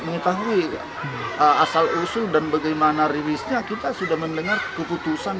mengetahui asal usul dan bagaimana rilisnya kita sudah mendengar keputusan